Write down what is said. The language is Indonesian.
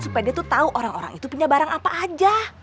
supaya dia tuh tahu orang orang itu punya barang apa aja